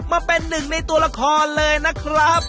มาเป็นหนึ่งในตัวละครเลยนะครับ